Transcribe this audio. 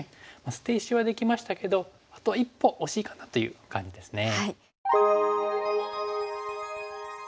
捨て石はできましたけどあと一歩惜しいかなという感じですね。